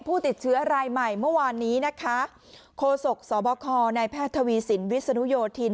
ผู้ติดเชื้อรายใหม่เมื่อวานนี้นะคะโคศกสบคในแพทย์ทวีสินวิศนุโยธิน